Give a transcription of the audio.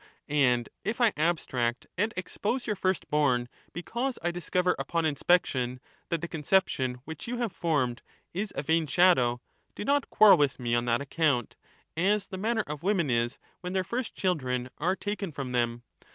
And if I abstract and expose your first born, because I discover upon inspection that the conception which you have formed is a vain shadow, do not quarrel with me on that account, as the manner of women is when their first children are taken from them.